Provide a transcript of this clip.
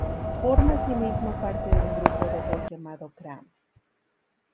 Forma asimismo parte de un grupo de rock llamado "Cram".